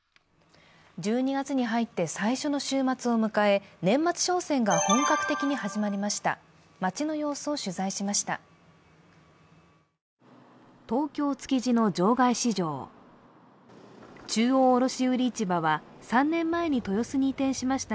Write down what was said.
１２月に入って週末を迎え年末商戦が本格的に始まりました。